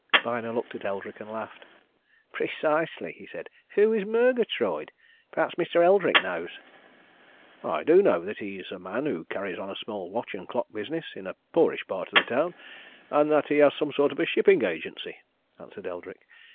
Byner looked at Eldrick and laughed. "Precisely!" he said. "Who is Murgatroyd? Perhaps Mr. Eldrick knows." "I do just know that he's a man who carries on a small watch and clock business in a poorish part of the town, and that he has some sort of a shipping agency," answered Eldrick.